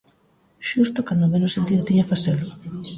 Xusto cando menos sentido tiña facelo.